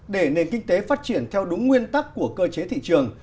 để nền kinh tế phát triển theo đúng nguyên tắc của cơ chế thị trường